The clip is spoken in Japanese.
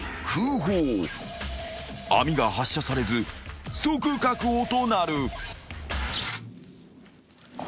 ［網が発射されず即確保となる］